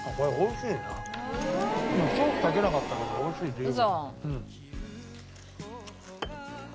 ソースかけなかったけど美味しい十分。